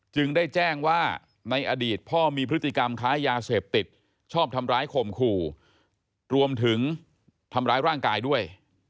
จึงได้แจ้งว่าในอดีตพ่อมีพฤติกรรมค้ายาเสพติดชอบทำร้ายข่มขู่รวมถึงทำร้ายร่างกายด้วย